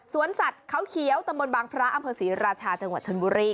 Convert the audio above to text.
สัตว์เขาเขียวตำบลบางพระอำเภอศรีราชาจังหวัดชนบุรี